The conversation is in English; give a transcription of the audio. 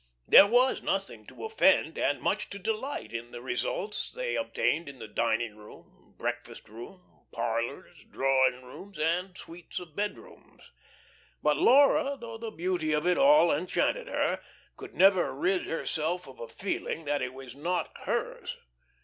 There was nothing to offend, and much to delight in the results they obtained in the dining room, breakfast room, parlors, drawing rooms, and suites of bedrooms. But Laura, though the beauty of it all enchanted her, could never rid herself of a feeling that it was not hers.